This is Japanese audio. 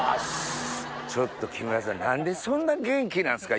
ちょっと木村さん何でそんな元気なんですか？